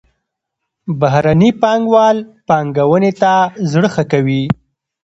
بهرني پانګوال پانګونې ته زړه ښه کوي.